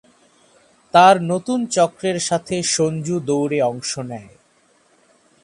তার নতুন চক্রের সাথে, সঞ্জু দৌড়ে অংশ নেয়।